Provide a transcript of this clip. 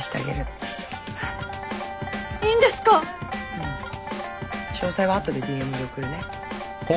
うん詳細は後でＤＭで送るね。